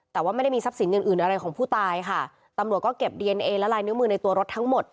แต่ว่าไม่ได้มีทรัพย์สินอื่นอื่นอะไรของผู้ตายค่ะตำรวจก็เก็บดีเอนเอและลายนิ้วมือในตัวรถทั้งหมด